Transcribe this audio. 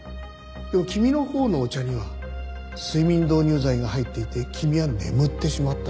でも君のほうのお茶には睡眠導入剤が入っていて君は眠ってしまった。